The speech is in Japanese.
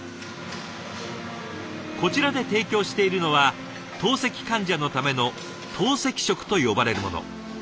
こちらで提供しているのは透析患者のための透析食と呼ばれるもの。